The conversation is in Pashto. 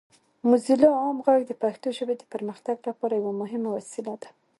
موزیلا عام غږ د پښتو ژبې د پرمختګ لپاره یوه مهمه وسیله ده.